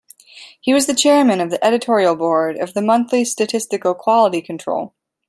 He was the chairman of the editorial board of the monthly Statistical Quality Control.